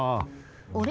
あれ？